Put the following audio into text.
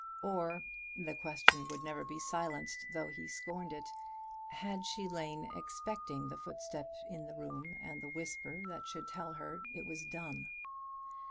Or the question would never be silenced, though he scorned it had she lain expecting the footstep in the room and the whisper that should tell her it was done?